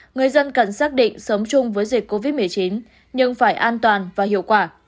người dân cần xác định sống chung với dịch covid một mươi chín nhưng phải an toàn và hiệu quả